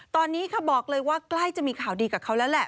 ตอนนี้ค่ะบอกเลยว่าใกล้จะมีข่าวดีกับเขาแล้วแหละ